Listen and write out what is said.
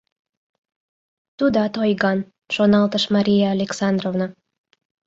«Тудат ойган, — шоналтыш Мария Александровна.